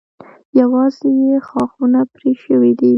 یوازې یې ښاخونه پرې شوي دي.